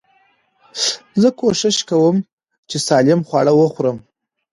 زه کوشش کوم، چي سالم خواړه وخورم.